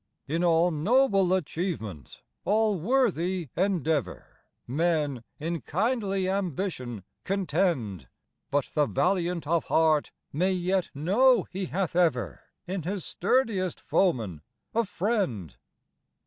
In all noble achievement, all worthy endeavor, Men in kindly ambition contend; But the valiant of heart may yet know he hath ever In his sturdiest foeman a friend.